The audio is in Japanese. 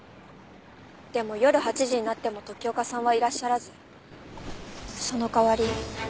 でも夜８時になっても時岡さんはいらっしゃらずその代わり。